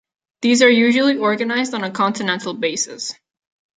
These are usually organised on a continental basis.